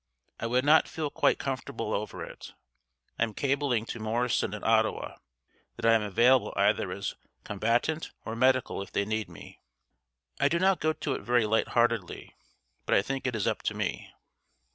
I would not feel quite comfortable over it. I am cabling to Morrison at Ottawa, that I am available either as combatant or medical if they need me. I do not go to it very light heartedly, but I think it is up to me."